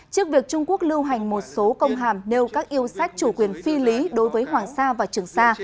trước việc trung quốc lưu hành một số công hàm nêu các yêu sách chủ quyền phi lý đối với hoàng sa và trường sa